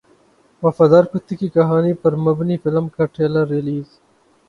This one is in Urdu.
وفادار کتے کی کہانی پر مبنی فلم کا ٹریلر ریلیز